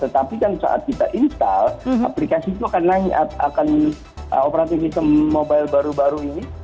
tetapi kan saat kita install aplikasi itu akan operasi mobile baru baru ini